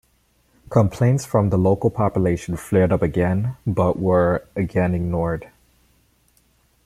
Complaints from the local population flared up again but were again ignored.